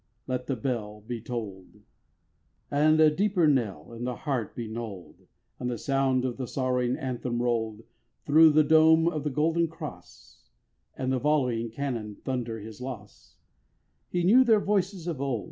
Let the bell be toll'd: And a deeper knell in the heart be knoll'd; And the sound of the sorrowing anthem roll'd Thro' the dome of the golden cross; And the volleying cannon thunder his loss; He knew their voices of old.